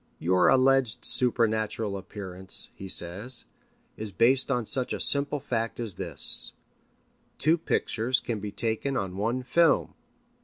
"Your alleged supernatural appearance," he says, "is based on such a simple fact as this: two pictures can be taken on one film."